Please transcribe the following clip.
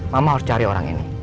mama harus cari orang ini